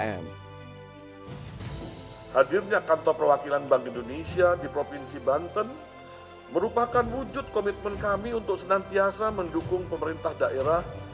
hadirnya kantor perwakilan bank indonesia di provinsi banten merupakan wujud komitmen kami untuk senantiasa mendukung pemerintah daerah